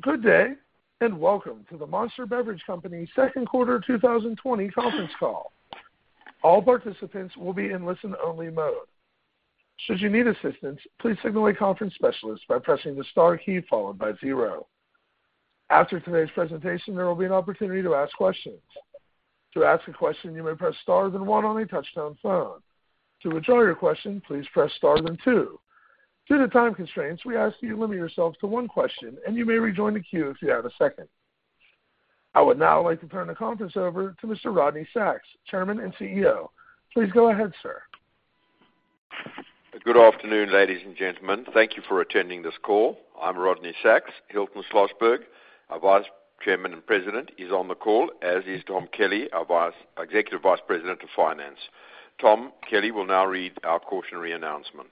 Good day, welcome to the Monster Beverage Company Second Quarter 2020 conference call. All participants will be in listen-only mode. After today's presentation, there will be an opportunity to ask questions. Due to time constraints, we ask that you limit yourselves to one question, and you may rejoin the queue if you have a second. I would now like to turn the conference over to Mr. Rodney Sacks, Chairman and CEO. Please go ahead, sir. Good afternoon, ladies and gentlemen. Thank you for attending this call. I'm Rodney Sacks. Hilton Schlosberg, our Vice Chairman and President, is on the call, as is Thomas Kelly, our Executive Vice President of Finance. Thomas Kelly will now read our cautionary announcement.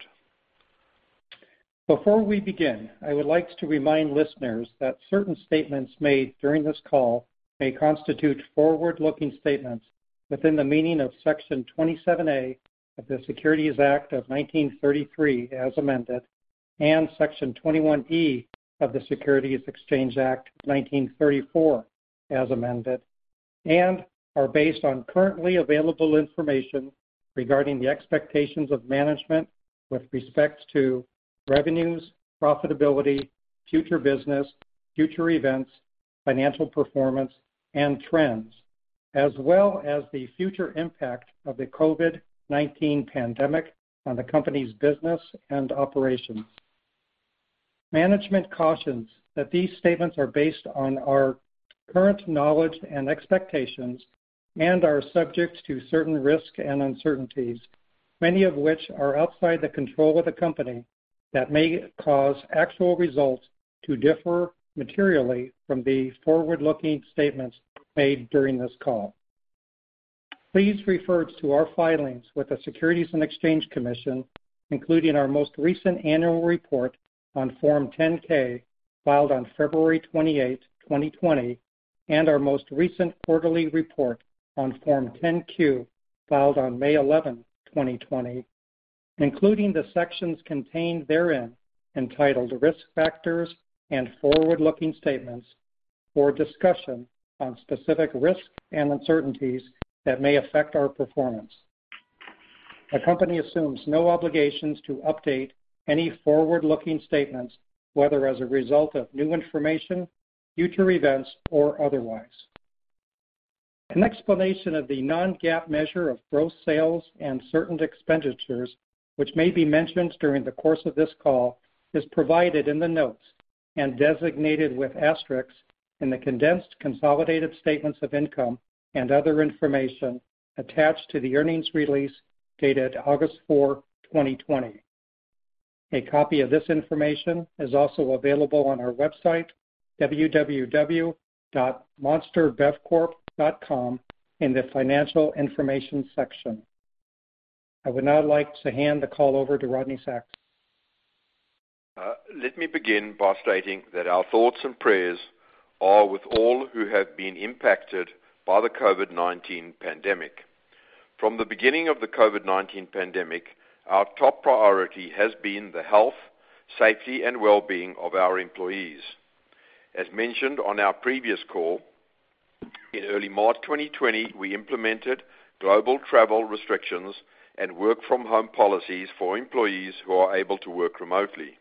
Before we begin, I would like to remind listeners that certain statements made during this call may constitute forward-looking statements within the meaning of Section 27A of the Securities Act of 1933, as amended, and Section 21E of the Securities Exchange Act of 1934, as amended, and are based on currently available information regarding the expectations of management with respect to revenues, profitability, future business, future events, financial performance, and trends, as well as the future impact of the COVID-19 pandemic on the company's business and operations. Management cautions that these statements are based on our current knowledge and expectations and are subject to certain risks and uncertainties, many of which are outside the control of the company, that may cause actual results to differ materially from the forward-looking statements made during this call. Please refer to our filings with the Securities and Exchange Commission, including our most recent annual report on Form 10-K filed on February 28, 2020, and our most recent quarterly report on Form 10-Q filed on May 11, 2020, including the sections contained therein entitled Risk Factors and Forward-Looking Statements for a discussion on specific risks and uncertainties that may affect our performance. The company assumes no obligations to update any forward-looking statements, whether as a result of new information, future events, or otherwise. An explanation of the non-GAAP measure of gross sales and certain expenditures, which may be mentioned during the course of this call, is provided in the notes and designated with asterisks in the condensed consolidated statements of income and other information attached to the earnings release dated August 4, 2020. A copy of this information is also available on our website, www.monsterbevcorp.com, in the Financial Information section. I would now like to hand the call over to Rodney Sacks. Let me begin by stating that our thoughts and prayers are with all who have been impacted by the COVID-19 pandemic. From the beginning of the COVID-19 pandemic, our top priority has been the health, safety, and well-being of our employees. As mentioned on our previous call, in early March 2020, we implemented global travel restrictions and work-from-home policies for employees who are able to work remotely.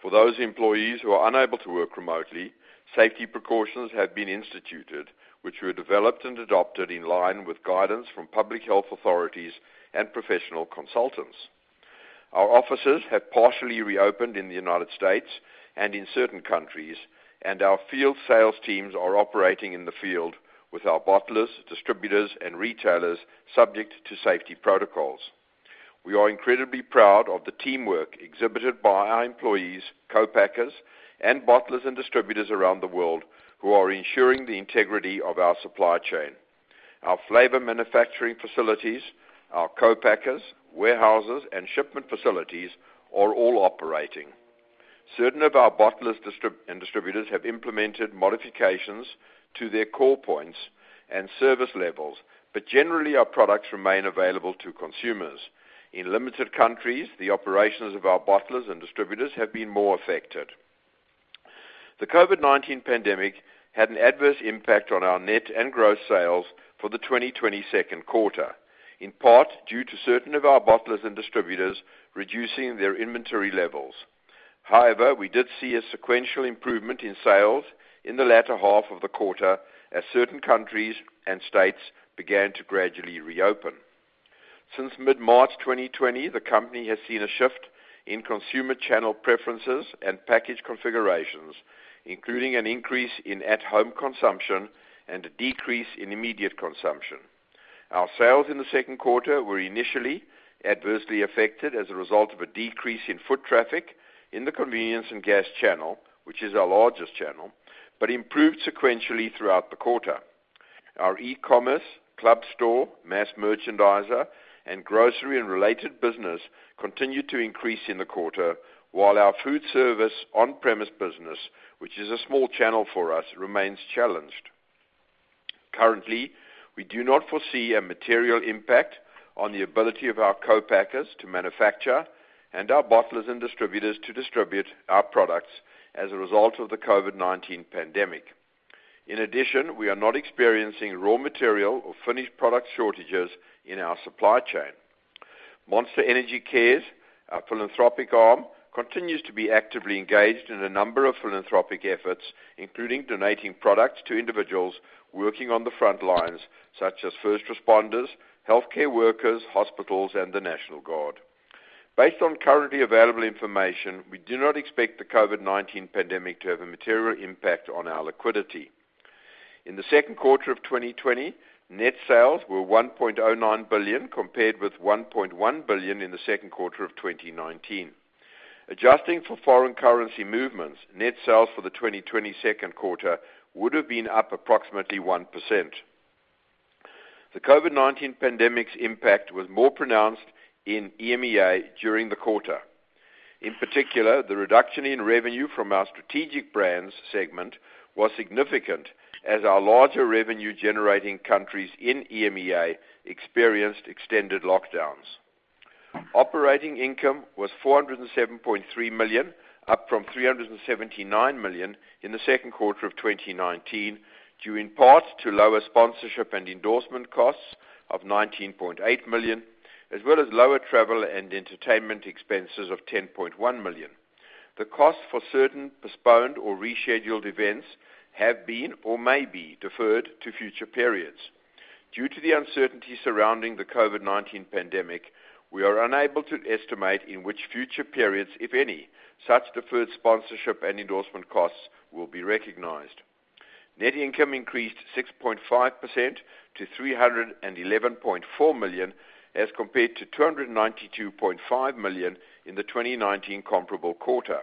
For those employees who are unable to work remotely, safety precautions have been instituted, which were developed and adopted in line with guidance from public health authorities and professional consultants. Our offices have partially reopened in the U.S. and in certain countries, and our field sales teams are operating in the field with our bottlers, distributors, and retailers, subject to safety protocols. We are incredibly proud of the teamwork exhibited by our employees, co-packers, and bottlers and distributors around the world who are ensuring the integrity of our supply chain. Our flavor manufacturing facilities, our co-packers, warehouses, and shipment facilities are all operating. Certain of our bottlers and distributors have implemented modifications to their call points and service levels, but generally, our products remain available to consumers. In limited countries, the operations of our bottlers and distributors have been more affected. The COVID-19 pandemic had an adverse impact on our net and gross sales for the 2020 second quarter, in part due to certain of our bottlers and distributors reducing their inventory levels. We did see a sequential improvement in sales in the latter half of the quarter as certain countries and states began to gradually reopen. Since mid-March 2020, the company has seen a shift in consumer channel preferences and package configurations, including an increase in at-home consumption and a decrease in immediate consumption. Our sales in the second quarter were initially adversely affected as a result of a decrease in foot traffic in the convenience and gas channel, which is our largest channel, but improved sequentially throughout the quarter. Our e-commerce, club store, mass merchandiser, and grocery and related business continued to increase in the quarter, while our food service on-premise business, which is a small channel for us, remains challenged. Currently, we do not foresee a material impact on the ability of our co-packers to manufacture and our bottlers and distributors to distribute our products as a result of the COVID-19 pandemic. In addition, we are not experiencing raw material or finished product shortages in our supply chain. Monster Energy Cares, our philanthropic arm, continues to be actively engaged in a number of philanthropic efforts, including donating products to individuals working on the front lines, such as first responders, healthcare workers, hospitals, and the National Guard. Based on currently available information, we do not expect the COVID-19 pandemic to have a material impact on our liquidity. In the second quarter of 2020, net sales were $1.09 billion compared with $1.1 billion in the second quarter of 2019. Adjusting for foreign currency movements, net sales for the 2020 second quarter would have been up approximately 1%. The COVID-19 pandemic's impact was more pronounced in EMEA during the quarter. In particular, the reduction in revenue from our strategic brands segment was significant as our larger revenue-generating countries in EMEA experienced extended lockdowns. Operating income was $407.3 million, up from $379 million in the second quarter of 2019, due in part to lower sponsorship and endorsement costs of $19.8 million, as well as lower travel and entertainment expenses of $10.1 million. The cost for certain postponed or rescheduled events have been or may be deferred to future periods. Due to the uncertainty surrounding the COVID-19 pandemic, we are unable to estimate in which future periods, if any, such deferred sponsorship and endorsement costs will be recognized. Net income increased 6.5% to $311.4 million as compared to $292.5 million in the 2019 comparable quarter.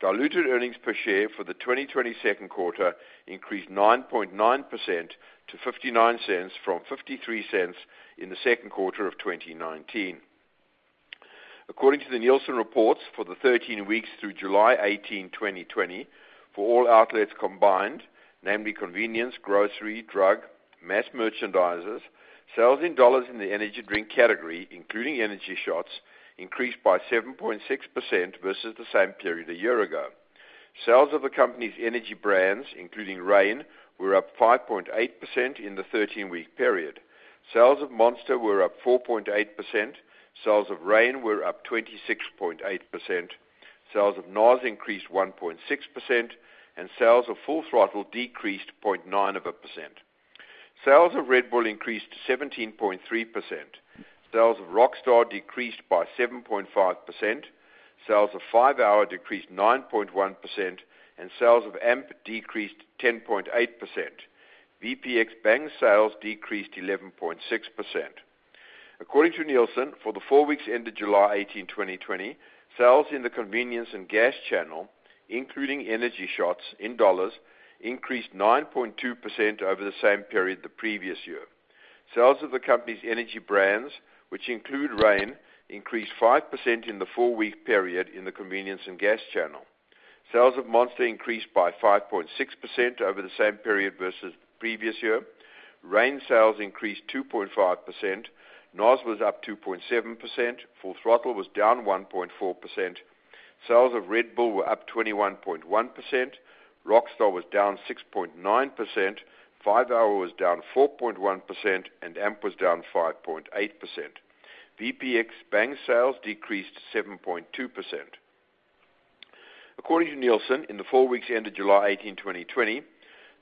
Diluted earnings per share for the 2020 second quarter increased 9.9% to $0.59 from $0.53 in the second quarter of 2019. According to the Nielsen reports, for the 13 weeks through July 18, 2020, for all outlets combined, namely convenience, grocery, drug, mass merchandisers, sales in dollars in the energy drink category, including energy shots, increased by 7.6% versus the same period a year ago. Sales of the company's energy brands, including Reign, were up 5.8% in the 13-week period. Sales of Monster were up 4.8%. Sales of Reign were up 26.8%. Sales of NOS increased 1.6%, and sales of Full Throttle decreased 0.9%. Sales of Red Bull increased 17.3%. Sales of Rockstar decreased by 7.5%. Sales of 5-hour decreased 9.1%, and sales of AMP decreased 10.8%. VPX Bang sales decreased 11.6%. According to Nielsen, for the four weeks ended July 18, 2020, sales in the convenience and gas channel, including energy shots in dollars, increased 9.2% over the same period the previous year. Sales of the company's energy brands, which include Reign, increased 5% in the four-week period in the convenience and gas channel. Sales of Monster increased by 5.6% over the same period versus the previous year. Reign sales increased 2.5%, NOS was up 2.7%, Full Throttle was down 1.4%. Sales of Red Bull were up 21.1%, Rockstar was down 6.9%, 5-hour was down 4.1%, and AMP was down 5.8%. VPX Bang sales decreased 7.2%. According to Nielsen, in the four weeks ended July 18, 2020,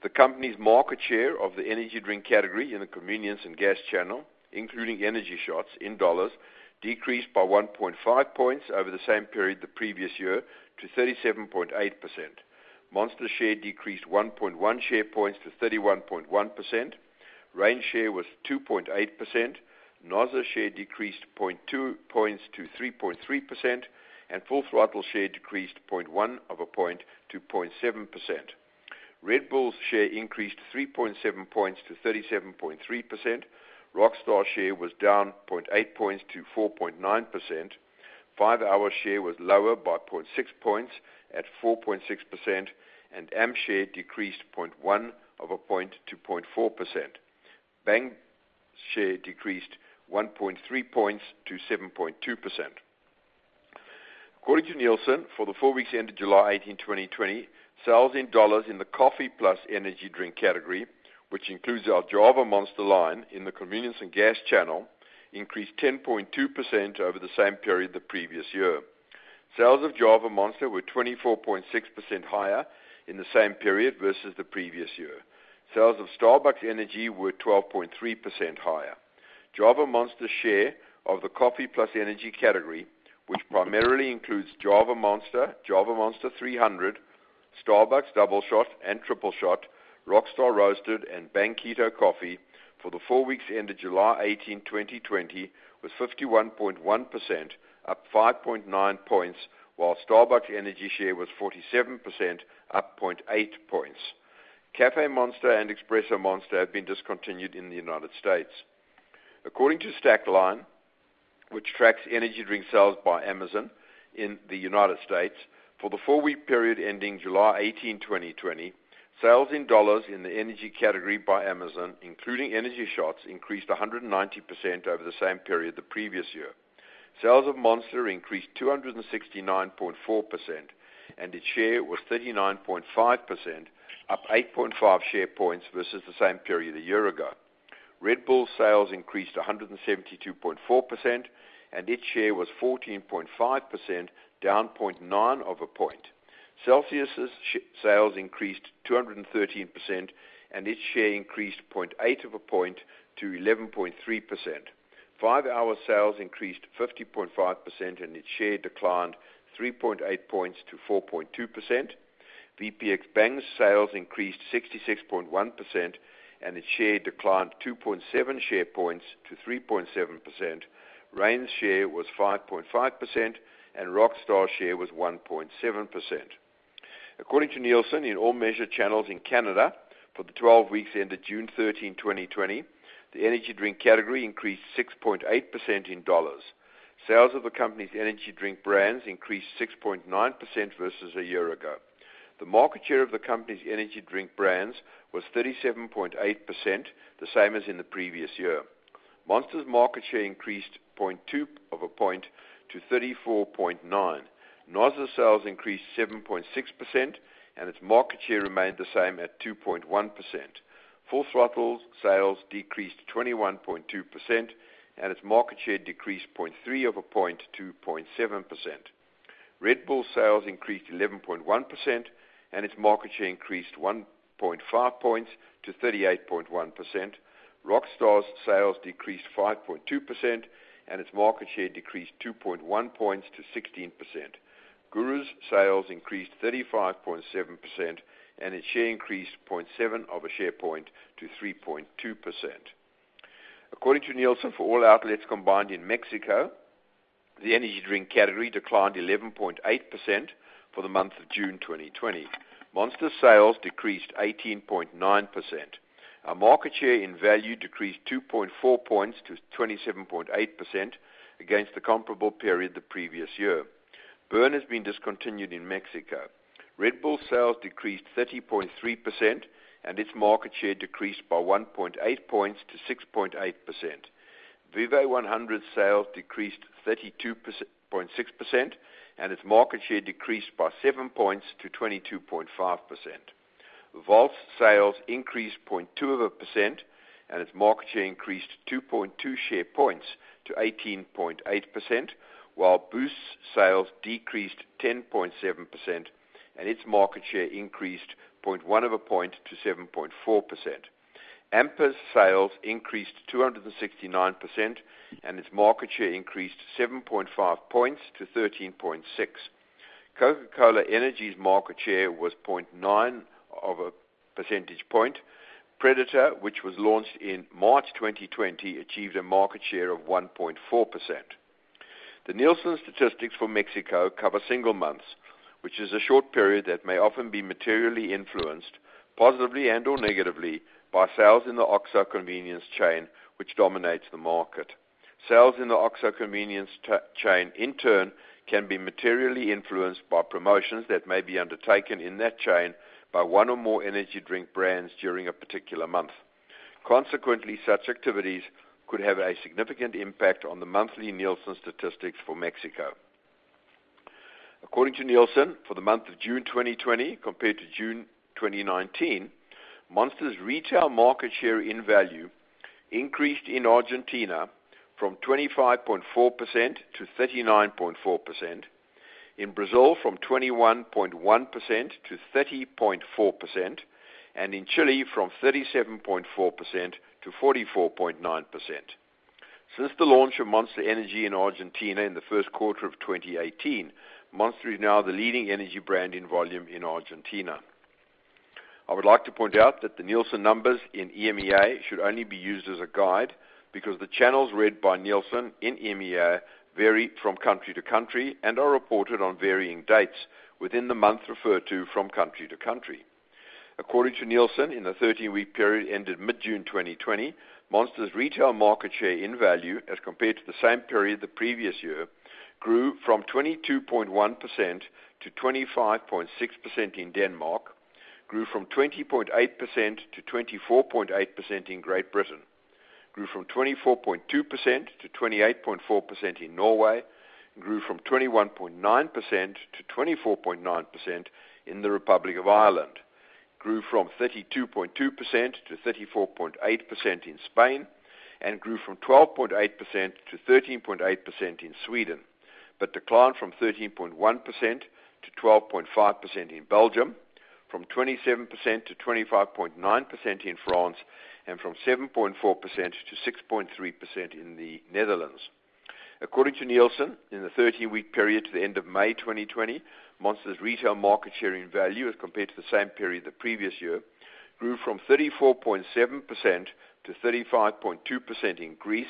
the company's market share of the energy drink category in the convenience and gas channel, including energy shots in dollars, decreased by 1.5 points over the same period the previous year to 37.8%. Monster share decreased 1.1 share points to 31.1%. Reign share was 2.8%, NOS's share decreased 0.2 points to 3.3%, and Full Throttle share decreased 0.1 of a point to 0.7%. Red Bull's share increased 3.7 points to 37.3%. Rockstar share was down 0.8 points to 4.9%. 5-hour share was lower by 0.6 points at 4.6%, and AMP share decreased 0.1 of a point to 0.4%. Bang share decreased 1.3 points to 7.2%. According to Nielsen, for the four weeks ended July 18, 2020, sales in dollars in the coffee plus energy drink category, which includes our Java Monster line in the convenience and gas channel, increased 10.2% over the same period the previous year. Sales of Java Monster were 24.6% higher in the same period versus the previous year. Sales of Starbucks Energy were 12.3% higher. Java Monster share of the coffee plus energy category, which primarily includes Java Monster, Java Monster 300, Starbucks Doubleshot and Starbucks Tripleshot, Rockstar Roasted and Bang Keto Coffee for the four weeks ended July 18, 2020 was 51.1% up 5.9 points, while Starbucks Energy share was 47% up 0.8 points. Caffé Monster and Espresso Monster have been discontinued in the U.S. According to Stackline, which tracks energy drink sales by Amazon in the U.S. for the four-week period ending July 18, 2020. Sales in dollars in the energy category by Amazon, including energy shots, increased 190% over the same period the previous year. Sales of Monster increased 269.4%, and its share was 39.5%, up 8.5 share points versus the same period a year ago. Red Bull sales increased 172.4%, and its share was 14.5%, down 0.9 of a point. Celsius' sales increased 213%, and its share increased 0.8 of a point to 11.3%. 5-hour sales increased 50.5%, and its share declined 3.8 points to 4.2%. VPX Bang sales increased 66.1%, and its share declined 2.7 share points to 3.7%. Reign's share was 5.5%, and Rockstar's share was 1.7%. According to Nielsen, in all measured channels in Canada for the 12 weeks ended June 13, 2020, the energy drink category increased 6.8% in dollars. Sales of the company's energy drink brands increased 6.9% versus a year ago. The market share of the company's energy drink brands was 37.8%, the same as in the previous year. Monster's market share increased 0.2 of a point to 34.9%. NOS's sales increased 7.6%, and its market share remained the same at 2.1%. Full Throttle's sales decreased 21.2%, and its market share decreased 0.3 of a point to 2.7%. Red Bull sales increased 11.1%, and its market share increased 1.5 points to 38.1%. Rockstar's sales decreased 5.2%, and its market share decreased 2.1 points to 16%. GURU's sales increased 35.7%, and its share increased 0.7 of a share point to 3.2%. According to Nielsen, for all outlets combined in Mexico, the energy drink category declined 11.8% for the month of June 2020. Monster sales decreased 18.9%. Our market share in value decreased 2.4 points to 27.8% against the comparable period the previous year. Burn has been discontinued in Mexico. Red Bull sales decreased 30.3%, and its market share decreased by 1.8 points to 6.8%. Vive 100 sales decreased 32.6%, and its market share decreased by seven points to 22.5%. Volt's sales increased 0.2%, and its market share increased 2.2 share points to 18.8%, while Boost's sales decreased 10.7%, and its market share increased 0.1 of a point to 7.4%. AMP's sales increased 269%, and its market share increased 7.5 points to 13.6%. Coca-Cola Energy's market share was 0.9 of a percentage point. Predator, which was launched in March 2020, achieved a market share of 1.4%. The Nielsen statistics for Mexico cover single months, which is a short period that may often be materially influenced, positively and/or negatively, by sales in the OXXO convenience chain, which dominates the market. Sales in the OXXO convenience chain, in turn, can be materially influenced by promotions that may be undertaken in that chain by one or more energy drink brands during a particular month. Consequently, such activities could have a significant impact on the monthly Nielsen statistics for Mexico. According to Nielsen, for the month of June 2020 compared to June 2019, Monster's retail market share in value increased in Argentina from 25.4% to 39.4%, in Brazil from 21.1% to 30.4%, and in Chile from 37.4% to 44.9%. Since the launch of Monster Energy in Argentina in the first quarter of 2018, Monster is now the leading energy brand in volume in Argentina. I would like to point out that the Nielsen numbers in EMEA should only be used as a guide because the channels read by Nielsen in EMEA vary from country to country and are reported on varying dates within the month referred to from country to country. According to Nielsen, in the 13-week period ended mid-June 2020, Monster's retail market share in value as compared to the same period the previous year grew from 22.1% to 25.6% in Denmark, grew from 20.8% to 24.8% in Great Britain, grew from 24.2% to 28.4% in Norway, grew from 21.9% to 24.9% in the Republic of Ireland, grew from 32.2% to 34.8% in Spain, and grew from 12.8% to 13.8% in Sweden, but declined from 13.1% to 12.5% in Belgium, from 27% to 25.9% in France, and from 7.4% to 6.3% in the Netherlands. According to Nielsen, in the 13-week period to the end of May 2020, Monster's retail market share in value as compared to the same period the previous year grew from 34.7% to 35.2% in Greece,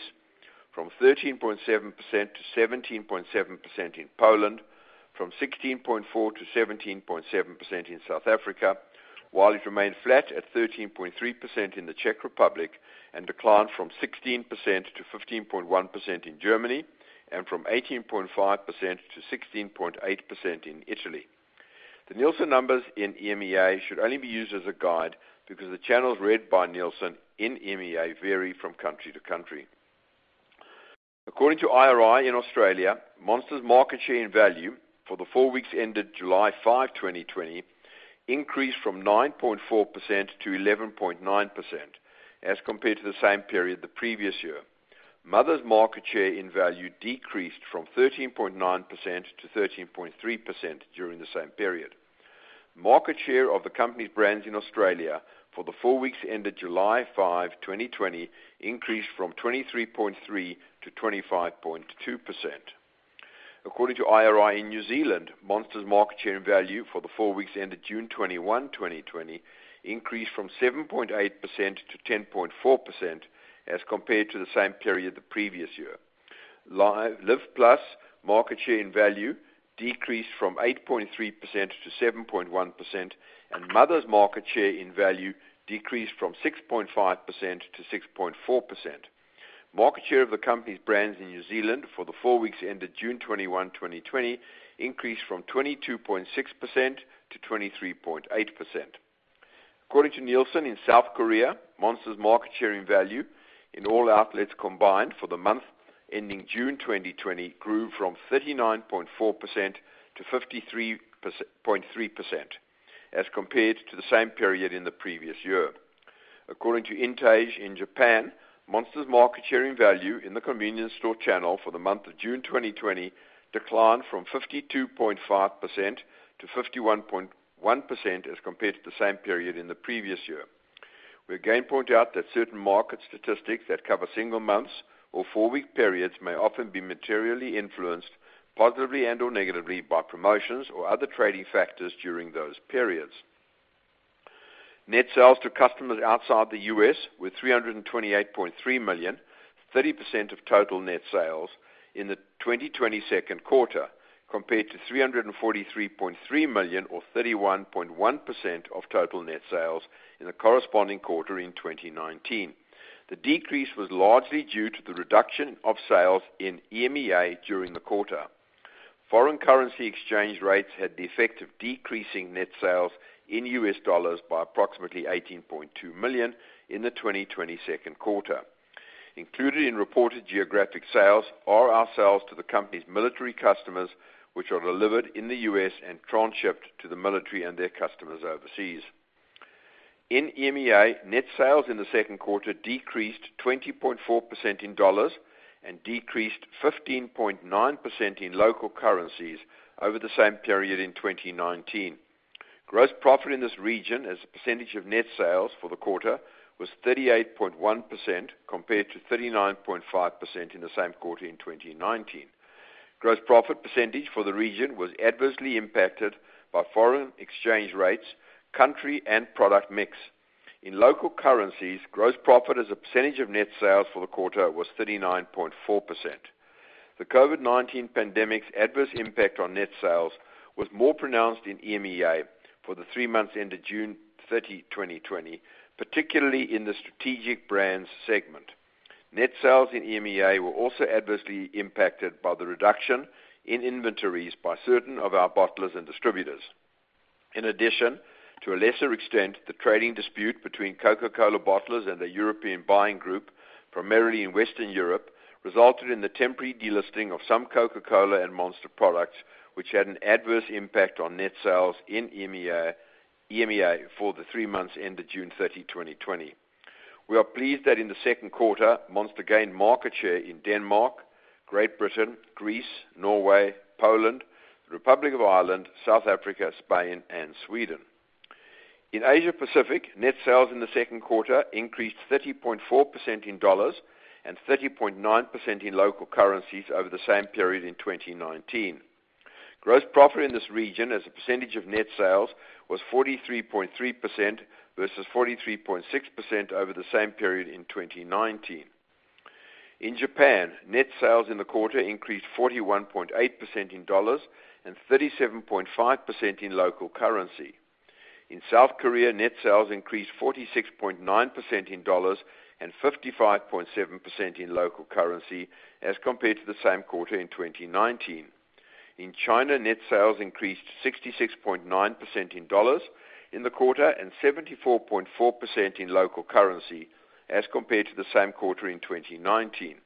from 13.7% to 17.7% in Poland, from 16.4% to 17.7% in South Africa, while it remained flat at 13.3% in the Czech Republic and declined from 16% to 15.1% in Germany and from 18.5% to 16.8% in Italy. The Nielsen numbers in EMEA should only be used as a guide because the channels read by Nielsen in EMEA vary from country to country. According to IRI in Australia, Monster's market share in value for the four weeks ended July 5, 2020, increased from 9.4% to 11.9% as compared to the same period the previous year. Mother's market share in value decreased from 13.9% to 13.3% during the same period. Market share of the company's brands in Australia for the four weeks ended July 5, 2020, increased from 23.3% to 25.2%. According to IRI in New Zealand, Monster's market share in value for the four weeks ended June 21, 2020, increased from 7.8% to 10.4% as compared to the same period the previous year. Live+ market share in value decreased from 8.3% to 7.1%, and Mother's market share in value decreased from 6.5% to 6.4%. Market share of the company's brands in New Zealand for the four weeks ended June 21, 2020, increased from 22.6% to 23.8%. According to Nielsen in South Korea, Monster's market share in value in all outlets combined for the month ending June 2020 grew from 39.4% to 53.3% as compared to the same period in the previous year. According to INTAGE in Japan, Monster's market share in value in the convenience store channel for the month of June 2020 declined from 52.5% to 51.1% as compared to the same period in the previous year. We again point out that certain market statistics that cover single months or four-week periods may often be materially influenced positively and/or negatively by promotions or other trading factors during those periods. Net sales to customers outside the U.S. were $328.3 million, 30% of total net sales in the 2020 second quarter, compared to $343.3 million or 31.1% of total net sales in the corresponding quarter in 2019. The decrease was largely due to the reduction of sales in EMEA during the quarter. Foreign currency exchange rates had the effect of decreasing net sales in U.S. dollars by approximately $18.2 million in the 2020 second quarter. Included in reported geographic sales are our sales to the company's military customers, which are delivered in the U.S. and transshipped to the military and their customers overseas. In EMEA, net sales in the second quarter decreased 20.4% in dollars and decreased 15.9% in local currencies over the same period in 2019. Gross profit in this region as a percentage of net sales for the quarter was 38.1% compared to 39.5% in the same quarter in 2019. Gross profit percentage for the region was adversely impacted by foreign exchange rates, country, and product mix. In local currencies, gross profit as a percentage of net sales for the quarter was 39.4%. The COVID-19 pandemic's adverse impact on net sales was more pronounced in EMEA for the three months ended June 30, 2020, particularly in the strategic brands segment. Net sales in EMEA were also adversely impacted by the reduction in inventories by certain of our bottlers and distributors. In addition, to a lesser extent, the trading dispute between Coca-Cola bottlers and the European buying group, primarily in Western Europe, resulted in the temporary delisting of some Coca-Cola and Monster products, which had an adverse impact on net sales in EMEA for the three months ended June 30, 2020. We are pleased that in the second quarter, Monster gained market share in Denmark, Great Britain, Greece, Norway, Poland, Republic of Ireland, South Africa, Spain, and Sweden. In Asia Pacific, net sales in the second quarter increased 30.4% in dollars and 30.9% in local currencies over the same period in 2019. Gross profit in this region as a percentage of net sales was 43.3% versus 43.6% over the same period in 2019. In Japan, net sales in the quarter increased 41.8% in dollars and 37.5% in local currency. In South Korea, net sales increased 46.9% in dollars and 55.7% in local currency as compared to the same quarter in 2019. In China, net sales increased 66.9% in dollars in the quarter and 74.4% in local currency as compared to the same quarter in 2019.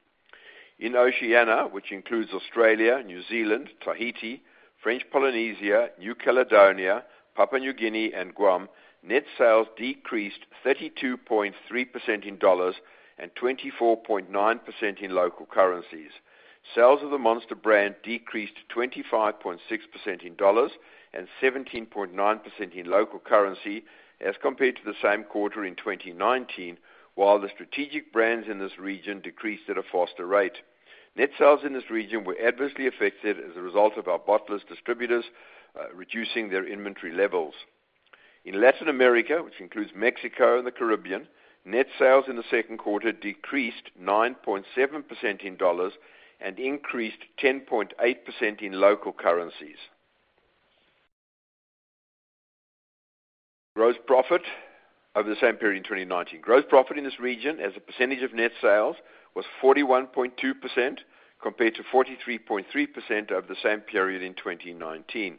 In Oceania, which includes Australia, New Zealand, Tahiti, French Polynesia, New Caledonia, Papua New Guinea, and Guam, net sales decreased 32.3% in dollars and 24.9% in local currencies. Sales of the Monster brand decreased 25.6% in dollars and 17.9% in local currency as compared to the same quarter in 2019, while the strategic brands in this region decreased at a faster rate. Net sales in this region were adversely affected as a result of our bottlers distributors reducing their inventory levels. In Latin America, which includes Mexico and the Caribbean, net sales in the second quarter decreased 9.7% in dollars and increased 10.8% in local currencies. Gross profit over the same period in 2019. Gross profit in this region as a percentage of net sales was 41.2% compared to 43.3% over the same period in 2019.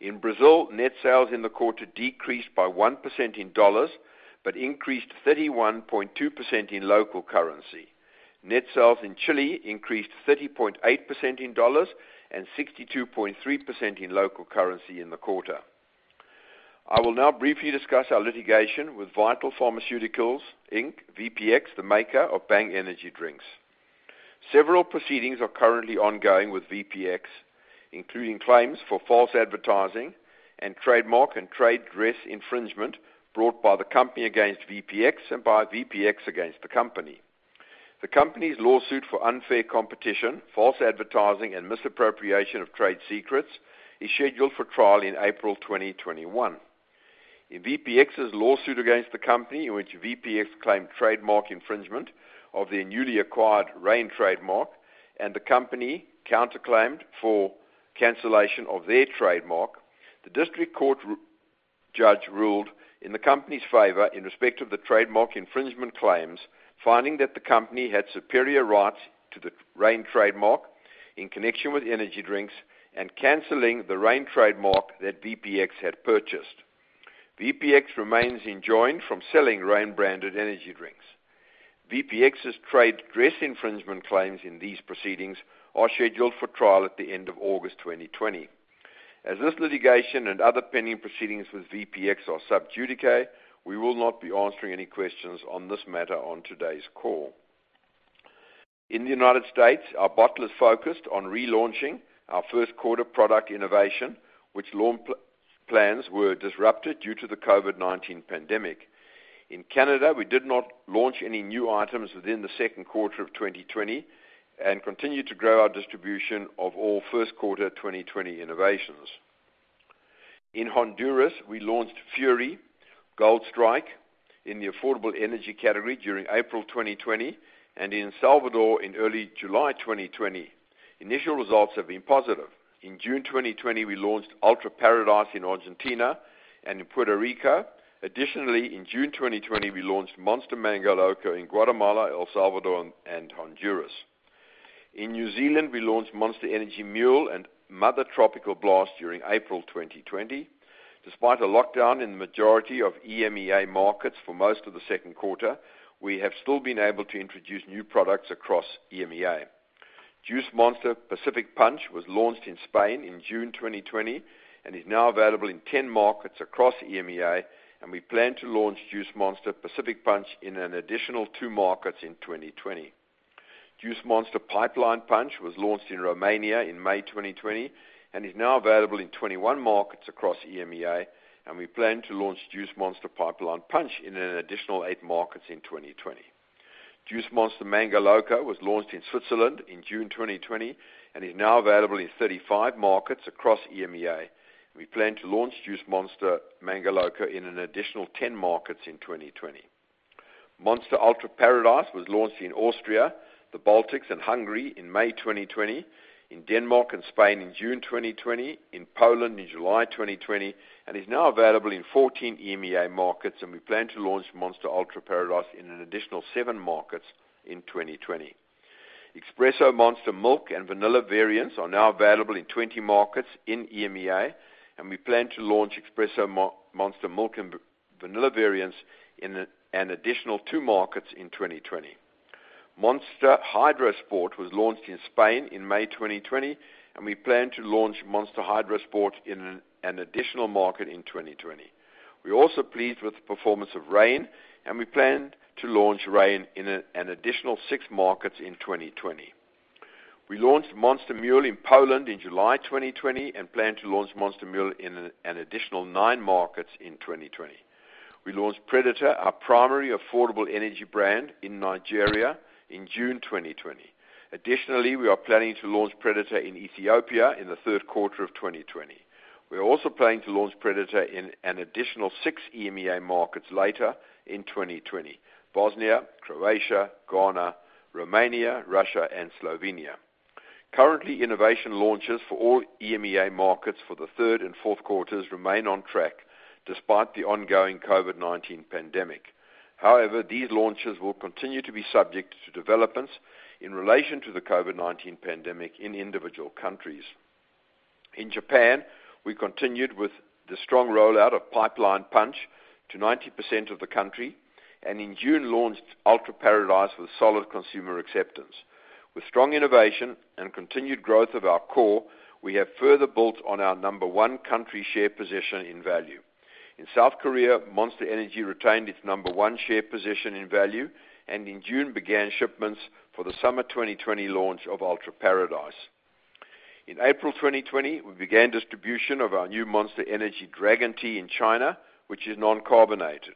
In Brazil, net sales in the quarter decreased by 1% in dollars, but increased 31.2% in local currency. Net sales in Chile increased 30.8% in dollars and 62.3% in local currency in the quarter. I will now briefly discuss our litigation with Vital Pharmaceuticals, Inc., VPX, the maker of Bang energy drinks. Several proceedings are currently ongoing with VPX, including claims for false advertising and trademark and trade dress infringement brought by the company against VPX and by VPX against the company. The company's lawsuit for unfair competition, false advertising, and misappropriation of trade secrets is scheduled for trial in April 2021. In VPX's lawsuit against the company, in which VPX claimed trademark infringement of their newly acquired Reign trademark and the company counterclaimed for cancellation of their trademark, the district court judge ruled in the company's favor in respect of the trademark infringement claims, finding that the company had superior rights to the Reign trademark in connection with energy drinks and canceling the Reign trademark that VPX had purchased. VPX remains enjoined from selling Reign branded energy drinks. VPX's trade dress infringement claims in these proceedings are scheduled for trial at the end of August 2020. This litigation and other pending proceedings with VPX are sub judice, we will not be answering any questions on this matter on today's call. In the United States, our bottlers focused on relaunching our first quarter product innovation, which launch plans were disrupted due to the COVID-19 pandemic. In Canada, we did not launch any new items within the second quarter of 2020 and continued to grow our distribution of all first quarter 2020 innovations. In Honduras, we launched Fury Gold Strike in the affordable energy category during April 2020, and in El Salvador in early July 2020. Initial results have been positive. In June 2020, we launched Ultra Paradise in Argentina and in Puerto Rico. Additionally, in June 2020, we launched Monster Mango Loco in Guatemala, El Salvador, and Honduras. In New Zealand, we launched Monster Energy Mule and Mother Tropical Blast during April 2020. Despite a lockdown in the majority of EMEA markets for most of the second quarter, we have still been able to introduce new products across EMEA. Juice Monster Pacific Punch was launched in Spain in June 2020 and is now available in 10 markets across EMEA. We plan to launch Juice Monster Pacific Punch in an additional two markets in 2020. Juice Monster Pipeline Punch was launched in Romania in May 2020 and is now available in 21 markets across EMEA. We plan to launch Juice Monster Pipeline Punch in an additional eight markets in 2020. Juice Monster Mango Loco was launched in Switzerland in June 2020 and is now available in 35 markets across EMEA. We plan to launch Juice Monster Mango Loco in an additional 10 markets in 2020. Monster Ultra Paradise was launched in Austria, the Baltics, and Hungary in May 2020, in Denmark and Spain in June 2020, in Poland in July 2020, and is now available in 14 EMEA markets. We plan to launch Monster Ultra Paradise in an additional seven markets in 2020. Espresso Monster milk and vanilla variants are now available in 20 markets in EMEA. We plan to launch Espresso Monster milk and vanilla variants in an additional two markets in 2020. Monster Hydro Sport was launched in Spain in May 2020. We plan to launch Monster Hydro Sport in an additional market in 2020. We're also pleased with the performance of Reign. We plan to launch Reign in an additional six markets in 2020. We launched Monster Mule in Poland in July 2020. We plan to launch Monster Mule in an additional nine markets in 2020. We launched Predator, our primary affordable energy brand, in Nigeria in June 2020. Additionally, we are planning to launch Predator in Ethiopia in the third quarter of 2020. We are also planning to launch Predator in an additional six EMEA markets later in 2020: Bosnia, Croatia, Ghana, Romania, Russia, and Slovenia. Currently, innovation launches for all EMEA markets for the third and fourth quarters remain on track despite the ongoing COVID-19 pandemic. However, these launches will continue to be subject to developments in relation to the COVID-19 pandemic in individual countries. In Japan, we continued with the strong rollout of Pipeline Punch to 90% of the country, and in June launched Ultra Paradise with solid consumer acceptance. With strong innovation and continued growth of our core, we have further built on our number one country share position in value. In South Korea, Monster Energy retained its number one share position in value and in June began shipments for the summer 2020 launch of Ultra Paradise. In April 2020, we began distribution of our new Monster Energy Dragon Tea in China, which is non-carbonated.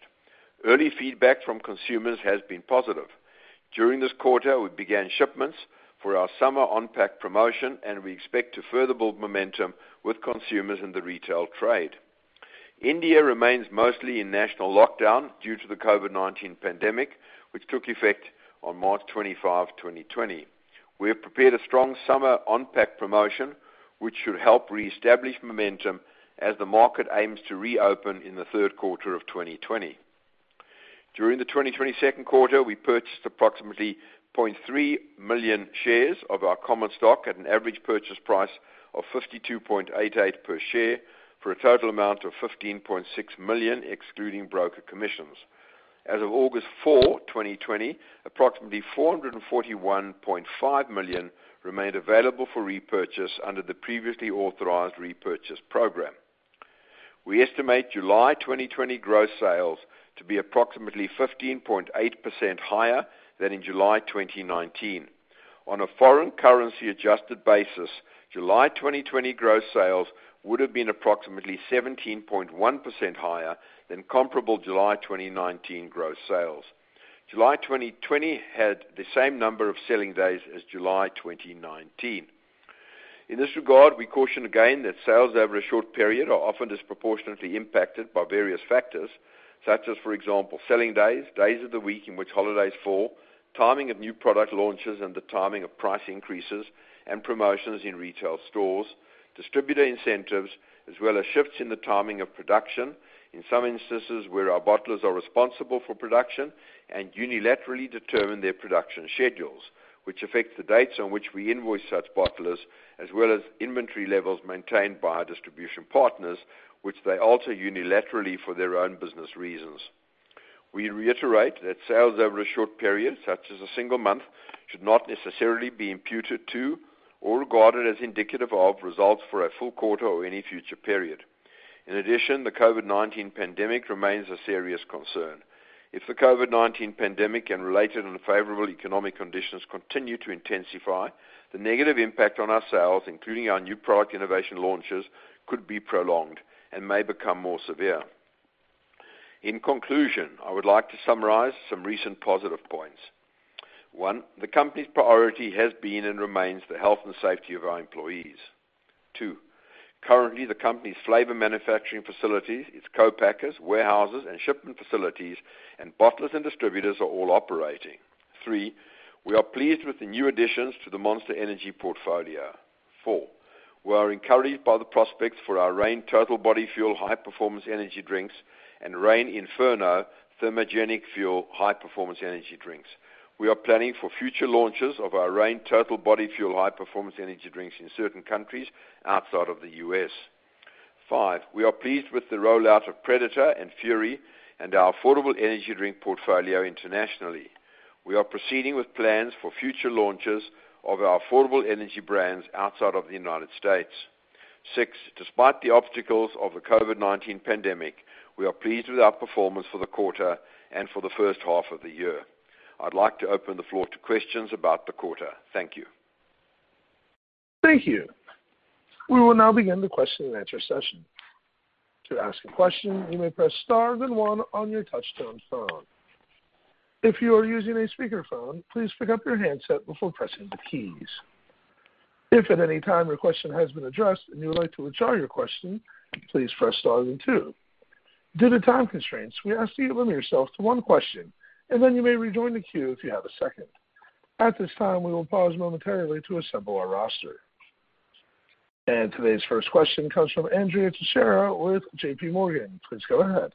Early feedback from consumers has been positive. During this quarter, we began shipments for our summer on-pack promotion, and we expect to further build momentum with consumers in the retail trade. India remains mostly in national lockdown due to the COVID-19 pandemic, which took effect on March 25, 2020. We have prepared a strong summer on-pack promotion, which should help reestablish momentum as the market aims to reopen in the third quarter of 2020. During the 2020 second quarter, we purchased approximately 300,000 shares of our common stock at an average purchase price of $52.88 per share for a total amount of $15.6 million, excluding broker commissions. As of August 4, 2020, approximately $441.5 million remained available for repurchase under the previously authorized repurchase program. We estimate July 2020 gross sales to be approximately 15.8% higher than in July 2019. On a foreign currency adjusted basis, July 2020 gross sales would've been approximately 17.1% higher than comparable July 2019 gross sales. July 2020 had the same number of selling days as July 2019. In this regard, we caution again that sales over a short period are often disproportionately impacted by various factors, such as, for example, selling days of the week in which holidays fall, timing of new product launches, and the timing of price increases and promotions in retail stores, distributor incentives, as well as shifts in the timing of production in some instances where our bottlers are responsible for production and unilaterally determine their production schedules, which affect the dates on which we invoice such bottlers, as well as inventory levels maintained by our distribution partners, which they alter unilaterally for their own business reasons. We reiterate that sales over a short period, such as a single month, should not necessarily be imputed to or regarded as indicative of results for a full quarter or any future period. In addition, the COVID-19 pandemic remains a serious concern. If the COVID-19 pandemic and related unfavorable economic conditions continue to intensify, the negative impact on our sales, including our new product innovation launches, could be prolonged and may become more severe. In conclusion, I would like to summarize some recent positive points. One, the company's priority has been and remains the health and safety of our employees. Two, currently, the company's flavor manufacturing facilities, its co-packers, warehouses, and shipment facilities, and bottlers and distributors are all operating. Three, we are pleased with the new additions to the Monster Energy portfolio. Four, we are encouraged by the prospects for our Reign Total Body Fuel high-performance energy drinks and Reign Inferno Thermogenic Fuel high-performance energy drinks. We are planning for future launches of our Reign Total Body Fuel high-performance energy drinks in certain countries outside of the U.S. Five, we are pleased with the rollout of Predator and Fury and our affordable energy drink portfolio internationally. We are proceeding with plans for future launches of our affordable energy brands outside of the U.S. Six, despite the obstacles of the COVID-19 pandemic, we are pleased with our performance for the quarter and for the first half of the year. I'd like to open the floor to questions about the quarter. Thank you. Thank you. We will now begin the question and answer session. Today's first question comes from Andrea Teixeira with JPMorgan. Please go ahead.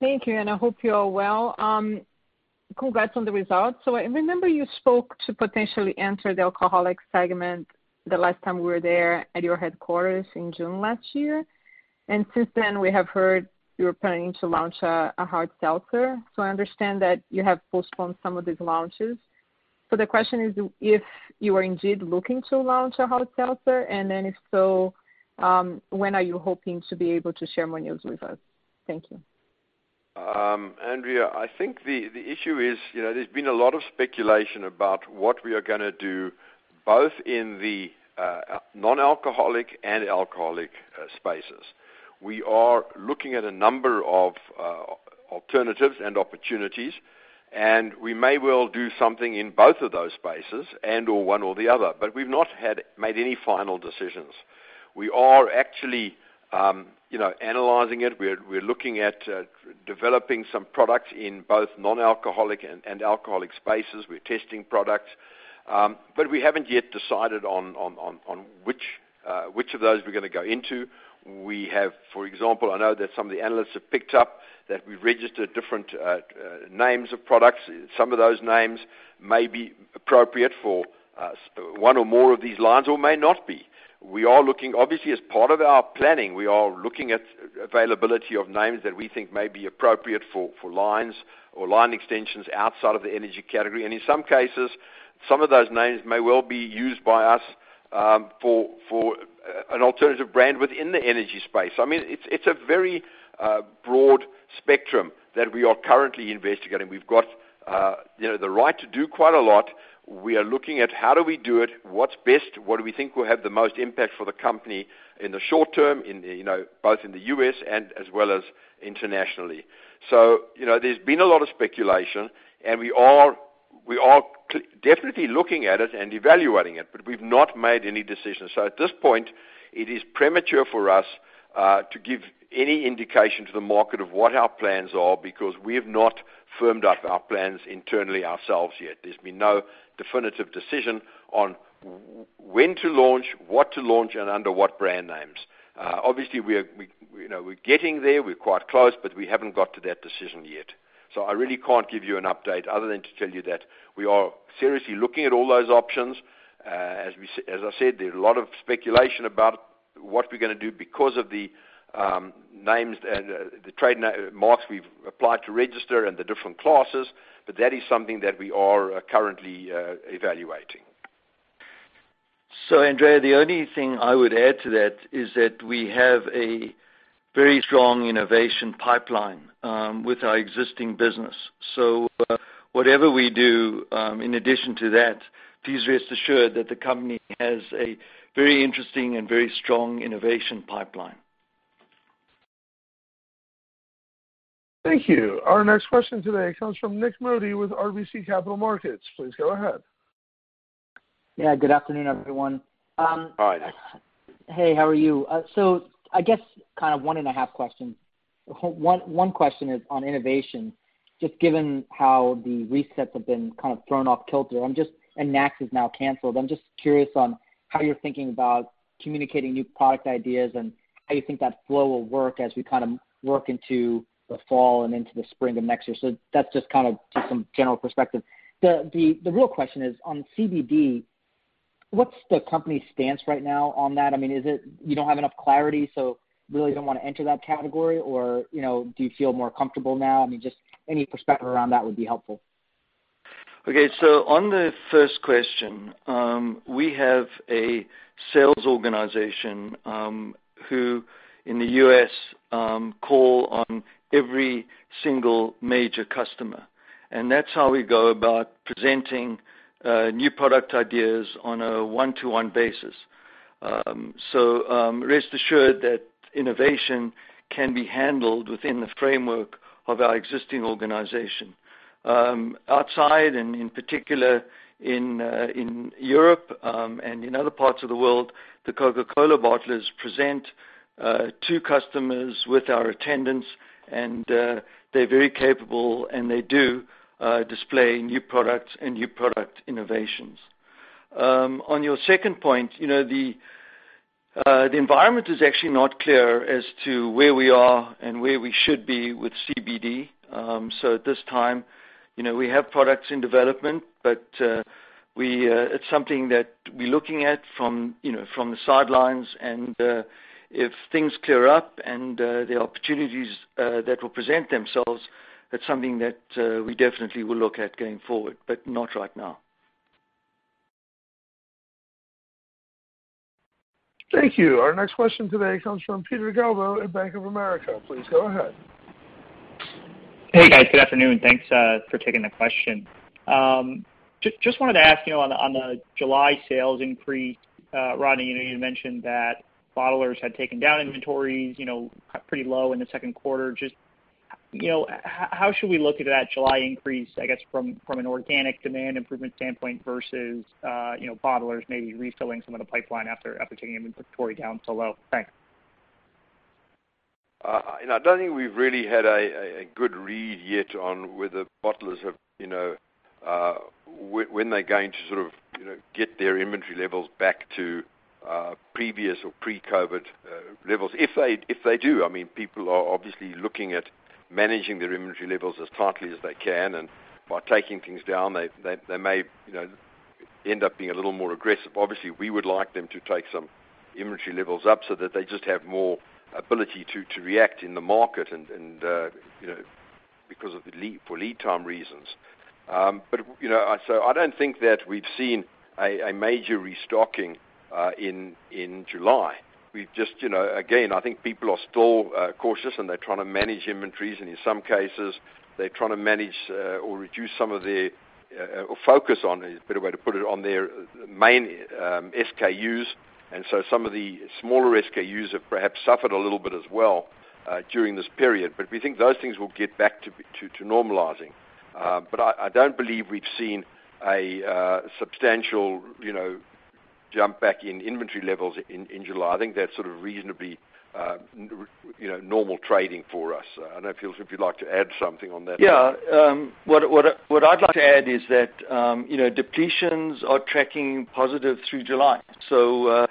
Thank you, and I hope you're well. Congrats on the results. I remember you spoke to potentially enter the alcoholic segment the last time we were there at your headquarters in June last year. Since then, we have heard you're planning to launch a hard seltzer. I understand that you have postponed some of these launches. The question is if you are indeed looking to launch a hard seltzer, and then if so, when are you hoping to be able to share more news with us? Thank you. Andrea, I think the issue is there's been a lot of speculation about what we are going to do both in the non-alcoholic and alcoholic spaces. We are looking at a number of alternatives and opportunities, and we may well do something in both of those spaces and/or one or the other, but we've not made any final decisions. We are actually analyzing it. We're looking at developing some products in both non-alcoholic and alcoholic spaces. We're testing products. We haven't yet decided on which of those we're going to go into. We have, for example, I know that some of the analysts have picked up that we registered different names of products. Some of those names may be appropriate for one or more of these lines or may not be. Obviously, as part of our planning, we are looking at availability of names that we think may be appropriate for lines or line extensions outside of the energy category. In some cases, some of those names may well be used by us for an alternative brand within the energy space. It's a very broad spectrum that we are currently investigating. We've got the right to do quite a lot. We are looking at how do we do it, what's best, what do we think will have the most impact for the company in the short term, both in the U.S. and as well as internationally. There's been a lot of speculation, and we are definitely looking at it and evaluating it, but we've not made any decisions. At this point, it is premature for us to give any indication to the market of what our plans are because we have not firmed up our plans internally ourselves yet. There's been no definitive decision on when to launch, what to launch, and under what brand names. Obviously, we're getting there. We're quite close, but we haven't got to that decision yet. I really can't give you an update other than to tell you that we are seriously looking at all those options. As I said, there's a lot of speculation about what we're going to do because of the names and the trademarks we've applied to register and the different classes, but that is something that we are currently evaluating. Andrea, the only thing I would add to that is that we have a very strong innovation pipeline with our existing business. Whatever we do, in addition to that, please rest assured that the company has a very interesting and very strong innovation pipeline. Thank you. Our next question today comes from Nik Modi with RBC Capital Markets. Please go ahead. Yeah, good afternoon, everyone. Hi, Nik. Hey, how are you? I guess kind of one and a half questions. One question is on innovation. Just given how the resets have been kind of thrown off kilter, and NACS is now canceled, I'm just curious on how you're thinking about communicating new product ideas and how you think that flow will work as we kind of work into the fall and into the spring of next year. That's just kind of some general perspective. The real question is on CBD. What's the company stance right now on that? You don't have enough clarity, so really don't want to enter that category? Do you feel more comfortable now? Just any perspective around that would be helpful. Okay. On the first question, we have a sales organization who in the U.S. call on every single major customer, and that's how we go about presenting new product ideas on a one-to-one basis. Outside, in particular in Europe and in other parts of the world, the Coca-Cola bottlers present to customers with our attendance, and they're very capable, and they do display new products and new product innovations. On your second point, the environment is actually not clear as to where we are and where we should be with CBD. At this time, we have products in development, but it's something that we're looking at from the sidelines. If things clear up and there are opportunities that will present themselves, that's something that we definitely will look at going forward, but not right now. Thank you. Our next question today comes from Peter Galbo at Bank of America. Please go ahead. Hey, guys. Good afternoon. Thanks for taking the question. Just wanted to ask you on the July sales increase. Rodney, you mentioned that bottlers had taken down inventories pretty low in the second quarter. How should we look at that July increase, I guess, from an organic demand improvement standpoint versus bottlers maybe refilling some of the pipeline after taking inventory down so low? Thanks. I don't think we've really had a good read yet on whether bottlers when they're going to sort of get their inventory levels back to previous or pre-COVID-19 levels. If they do, people are obviously looking at managing their inventory levels as tightly as they can, and by taking things down, they may end up being a little more aggressive. Obviously, we would like them to take some inventory levels up so that they just have more ability to react in the market and because for lead time reasons. I don't think that we've seen a major restocking in July. Again, I think people are still cautious, and they're trying to manage inventories, and in some cases, they're trying to manage or reduce or focus on, is a better way to put it, on their main SKUs. Some of the smaller SKUs have perhaps suffered a little bit as well during this period. We think those things will get back to normalizing. I don't believe we've seen a substantial jump back in inventory levels in July. I think that's sort of reasonably normal trading for us. I don't know if you'd like to add something on that. Yeah. What I'd like to add is that depletions are tracking positive through July. Sales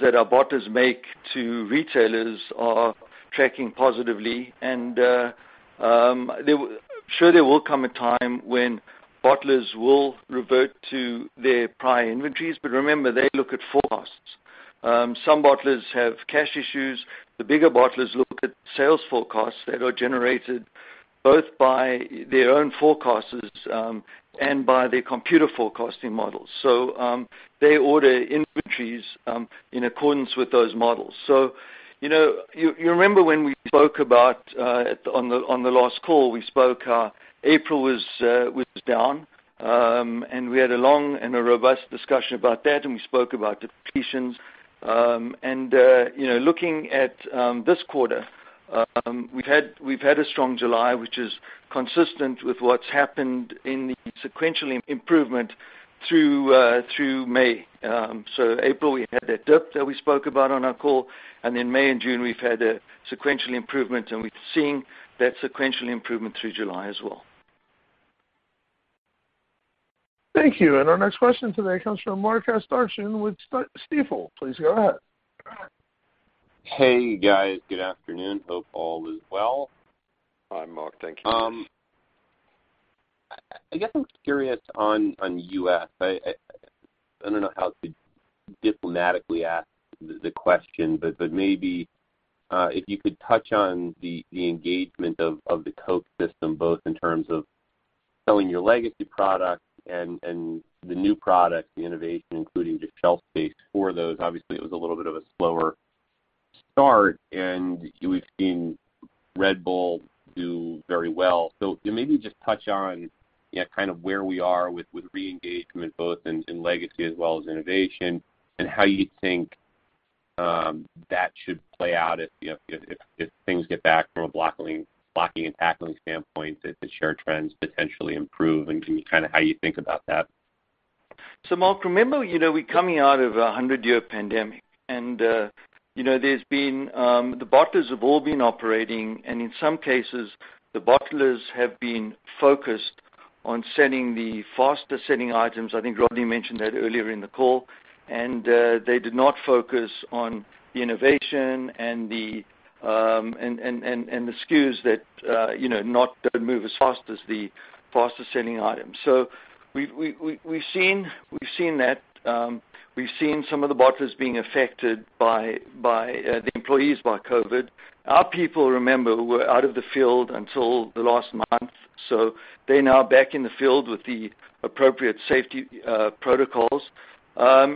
that our bottlers make to retailers are tracking positively. Surely there will come a time when bottlers will revert to their prior inventories. Remember, they look at forecasts. Some bottlers have cash issues. The bigger bottlers look at sales forecasts that are generated both by their own forecasters and by their computer forecasting models. They order inventories in accordance with those models. You remember when we spoke about on the last call, we spoke April was down. We had a long and a robust discussion about that, and we spoke about depletions. Looking at this quarter. We've had a strong July, which is consistent with what's happened in the sequential improvement through May. April, we had that dip that we spoke about on our call, and in May and June we've had a sequential improvement, and we're seeing that sequential improvement through July as well. Thank you. Our next question today comes from Mark Astrachan with Stifel. Please go ahead. Hey, guys. Good afternoon. Hope all is well. Hi, Mark. Thank you. I guess I'm curious on U.S. I don't know how to diplomatically ask the question, maybe if you could touch on the engagement of the Coke system, both in terms of selling your legacy product and the new product, the innovation, including the shelf space for those. Obviously, it was a little bit of a slower start, we've seen Red Bull do very well. Maybe just touch on kind of where we are with re-engagement both in legacy as well as innovation, and how you think that should play out if things get back from a blocking and tackling standpoint, if the share trends potentially improve, how you think about that? Mark, remember, we're coming out of a 100-year pandemic and the bottlers have all been operating, and in some cases, the bottlers have been focused on selling the faster-selling items. I think Rodney mentioned that earlier in the call, and they did not focus on the innovation and the SKUs that don't move as fast as the faster-selling items. We've seen that. We've seen some of the bottlers being affected, the employees by COVID. Our people, remember, were out of the field until the last month, so they're now back in the field with the appropriate safety protocols. Our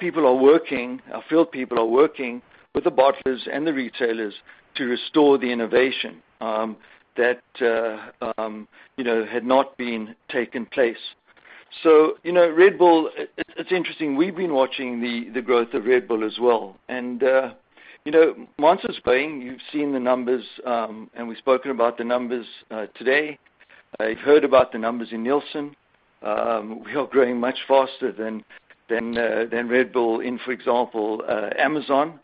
field people are working with the bottlers and the retailers to restore the innovation that had not been taking place. Red Bull, it's interesting, we've been watching the growth of Red Bull as well. Monster, Bang, you've seen the numbers, and we've spoken about the numbers today. They've heard about the numbers in Nielsen. We are growing much faster than Red Bull in, for example, Amazon.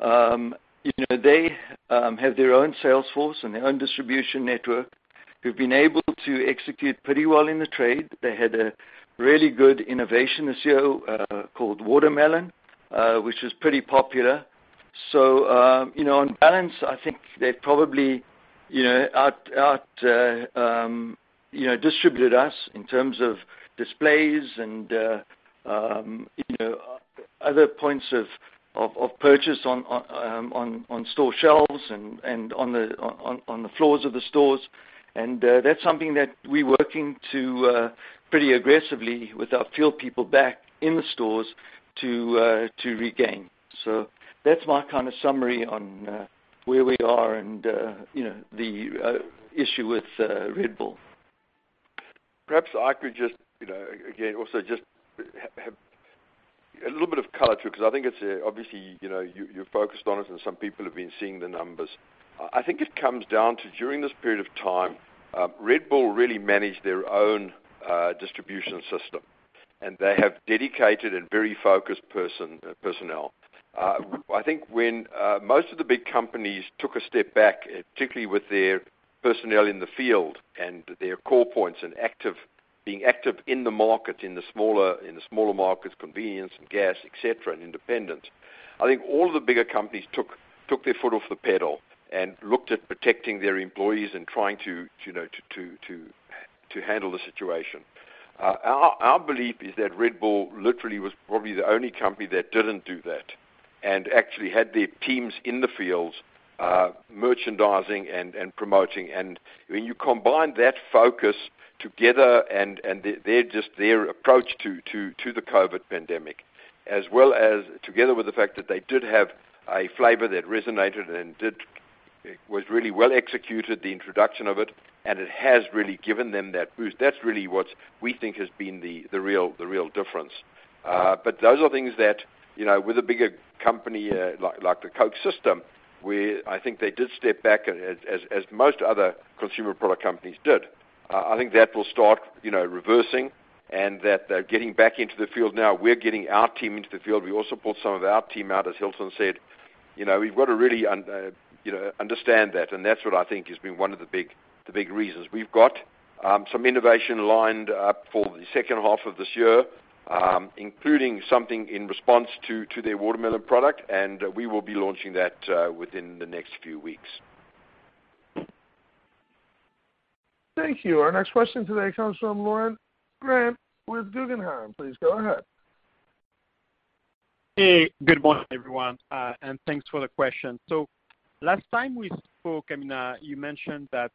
They have their own sales force and their own distribution network, who've been able to execute pretty well in the trade. They had a really good innovation this year, called Watermelon, which was pretty popular. On balance, I think they've probably out distributed us in terms of displays and other points of purchase on store shelves and on the floors of the stores. That's something that we're working to pretty aggressively with our field people back in the stores to regain. That's my summary on where we are and the issue with Red Bull. Perhaps I could just, again, also just have a little bit of color, too, because I think it's obviously, you're focused on it and some people have been seeing the numbers. I think it comes down to, during this period of time, Red Bull really managed their own distribution system, and they have dedicated and very focused personnel. I think when most of the big companies took a step back, particularly with their personnel in the field and their core points and being active in the market, in the smaller markets, convenience and gas, et cetera, and independent, I think all of the bigger companies took their foot off the pedal and looked at protecting their employees and trying to handle the situation. Our belief is that Red Bull literally was probably the only company that didn't do that and actually had their teams in the fields merchandising and promoting. When you combine that focus together and their approach to the COVID pandemic together with the fact that they did have a flavor that resonated and was really well executed, the introduction of it, and it has really given them that boost. That's really what we think has been the real difference. Those are things that with a bigger company like the Coke system, where I think they did step back as most other consumer product companies did. I think that will start reversing and that they're getting back into the field now. We're getting our team into the field. We also pulled some of our team out, as Hilton said. We've got to really understand that, and that's what I think has been one of the big reasons. We've got some innovation lined up for the second half of this year, including something in response to their Watermelon product. We will be launching that within the next few weeks. Thank you. Our next question today comes from Laurent Grandet with Guggenheim. Please go ahead. Good morning, everyone, thanks for the question. Last time we spoke, you mentioned that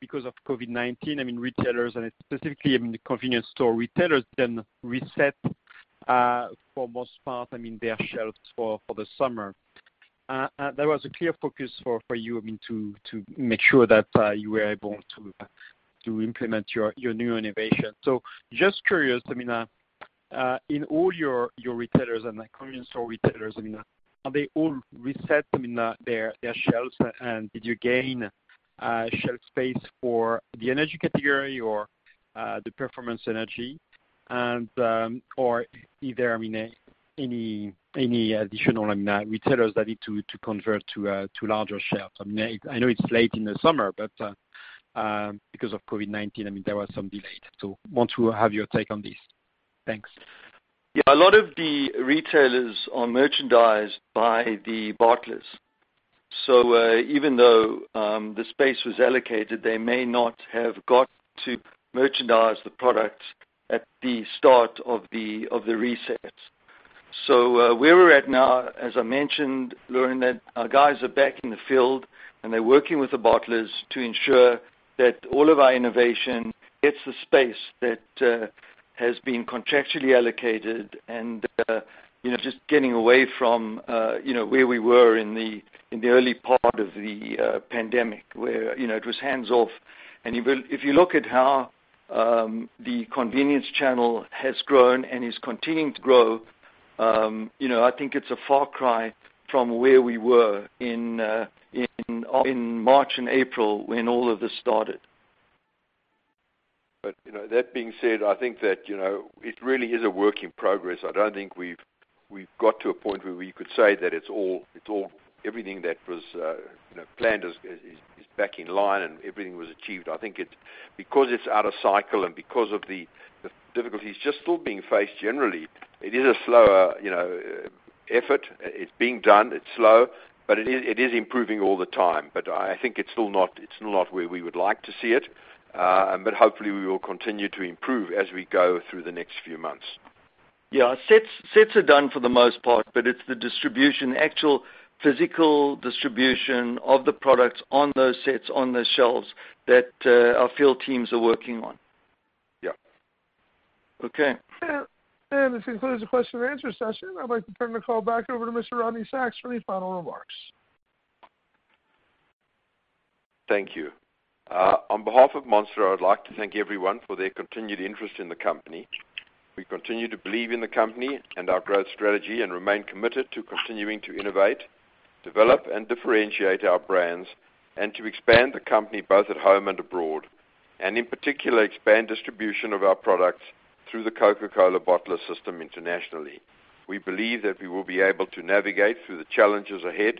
because of COVID-19, retailers and specifically the convenience store retailers then reset for most part, their shelves for the summer. There was a clear focus for you, to make sure that you were able to implement your new innovation. Just curious, in all your retailers and the convenience store retailers, have they all reset their shelves? Did you gain shelf space for the energy category or the performance energy? Is there any additional retailers that need to convert to larger shelves? I know it's late in the summer, because of COVID-19, there was some delay. I want to have your take on this. Thanks. Yeah. A lot of the retailers are merchandised by the bottlers. Even though the space was allocated, they may not have got to merchandise the product at the start of the resets. Where we're at now, as I mentioned, Laurent, that our guys are back in the field, and they're working with the bottlers to ensure that all of our innovation gets the space that has been contractually allocated and just getting away from where we were in the early part of the pandemic where it was hands-off. If you look at how the convenience channel has grown and is continuing to grow, I think it's a far cry from where we were in March and April when all of this started. That being said, I think that it really is a work in progress.I don't think we've got to a point where we could say that everything that was planned is back in line, and everything was achieved. I think because it's out of cycle and because of the difficulties just still being faced generally, it is a slower effort. It's being done, it's slow, it is improving all the time. I think it's still not where we would like to see it. Hopefully, we will continue to improve as we go through the next few months. Yeah. Sets are done for the most part, but it's the distribution, actual physical distribution of the products on those sets, on those shelves that our field teams are working on. Yeah. Okay. This concludes the question and answer session. I would like to turn the call back over to Mr. Rodney Sacks for any final remarks. Thank you. On behalf of Monster, I would like to thank everyone for their continued interest in the company. We continue to believe in the company and our growth strategy and remain committed to continuing to innovate, develop, and differentiate our brands and to expand the company both at home and abroad. In particular, expand distribution of our products through the Coca-Cola bottler system internationally. We believe that we will be able to navigate through the challenges ahead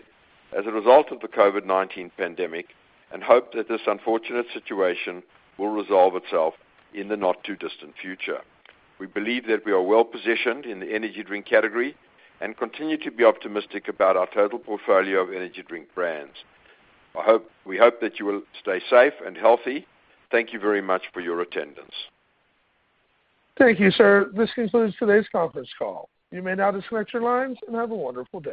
as a result of the COVID-19 pandemic and hope that this unfortunate situation will resolve itself in the not too distant future. We believe that we are well-positioned in the energy drink category and continue to be optimistic about our total portfolio of energy drink brands. We hope that you will stay safe and healthy. Thank you very much for your attendance. Thank you, sir. This concludes today's conference call. You may now disconnect your lines, and have a wonderful day.